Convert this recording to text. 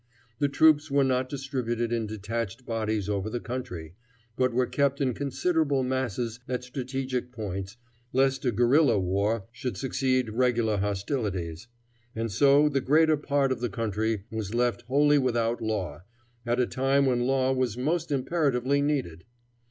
The troops were not distributed in detached bodies over the country, but were kept in considerable masses at strategic points, lest a guerrilla war should succeed regular hostilities; and so the greater part of the country was left wholly without law, at a time when law was most imperatively needed.